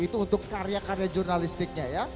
itu untuk karya karya jurnalistiknya ya